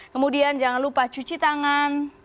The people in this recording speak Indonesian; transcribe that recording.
kemudian jangan lupa cuci tangan